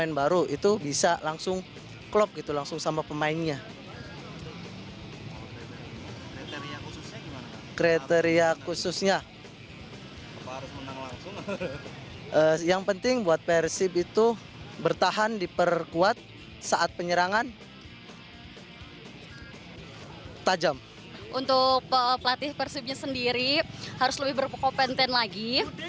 untuk pelatih persibnya sendiri harus lebih berkompeten lagi